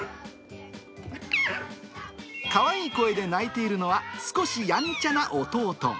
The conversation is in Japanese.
かわいい声で鳴いているのは、少しやんちゃな弟。